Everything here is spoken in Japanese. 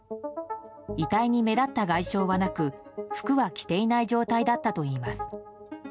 遺体に目立った外傷はなく服は着ていない状態だったといいます。